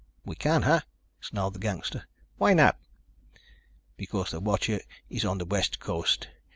"We can't, huh?" snarled the gangster. "Why not?" "Because the watcher is on the West Coast.